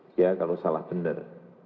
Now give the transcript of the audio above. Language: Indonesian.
tiga kalau salah benar